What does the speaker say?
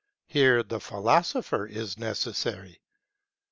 Here the philosopher is necessary.